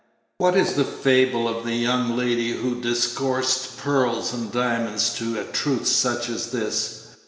What is the fable of the young lady who discoursed pearls and diamonds to a truth such as this!